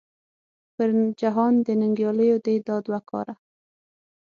پر جهان د ننګیالو دې دا دوه کاره .